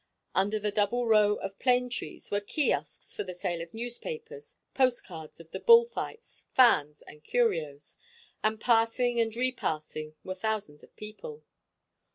Under the double row of plane trees were kiosks for the sale of newspapers, post cards of the bull fight, fans, and curios; and passing and repassing were thousands of people.